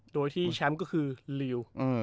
โดยที่แชมป์ก็คือลิว